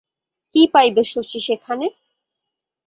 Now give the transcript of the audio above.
কী পাইবে শশী সেখানে?